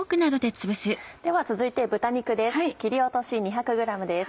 では続いて豚肉です